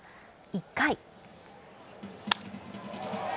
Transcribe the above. １回。